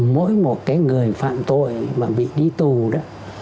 mỗi một cái người phạm tội mà bị đi tù đó